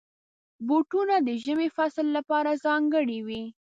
بوټونه د ژمي فصل لپاره ځانګړي وي.